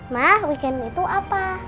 mah weekend itu apa